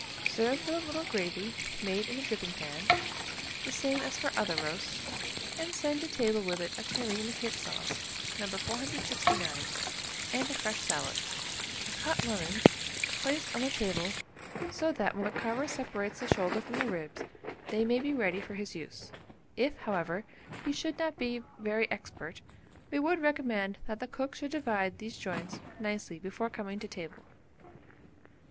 Serve with a little gravy made in the dripping pan, the same as for other roasts, and send to table with it a tureen of mint sauce, No. 469, and a fresh salad. A cut lemon, a small piece of fresh butter, and a little cayenne, should also be placed on the table, so that when the carver separates the shoulder from the ribs, they may be ready for his use; if, however, he should not be very expert, we would recommend that the cook should divide these joints nicely before coming to table.